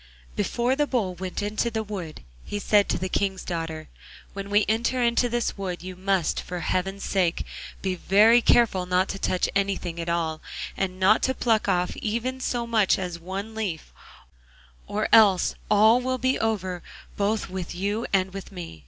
Before the Bull went into the wood, he said to the King's daughter: 'When we enter into this wood you must, for Heaven's sake, be very careful not to touch anything at all, and not to pluck off even so much as one leaf, or else all will be over both with you and with me.